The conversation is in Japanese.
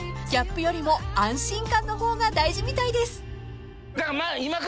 ［ギャップよりも安心感の方が大事みたいです］